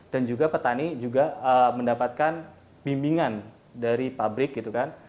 dan juga petani mendapatkan bimbingan dari pabrik